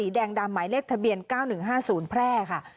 แดงดำหมายเลขทะเบียน๙๑๕๐แพร่ค่ะ